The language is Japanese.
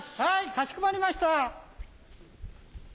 かしこまりました。